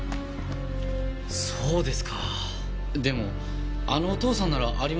そうですかでもあのお父さんならありますよね。